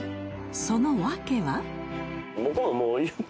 その訳は？